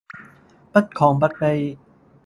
不亢不卑